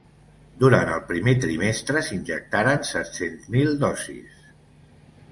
Durant el primer trimestre s’injectaran set-cents mil dosis.